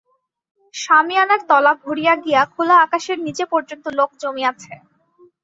শামিয়ানার তলা ভরিয়া গিয়া খোলা আকাশের নিচে পর্যন্ত লোক জমিয়াছে।